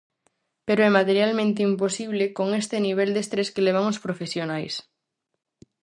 Pero é materialmente imposible con este nivel de estrés que levan os profesionais.